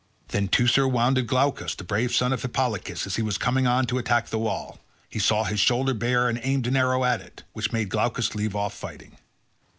Then Teucer wounded Glaucus the brave son of Hippolochus as he was coming on to attack the wall. He saw his shoulder bare and aimed an arrow at it, which made Glaucus leave off fighting.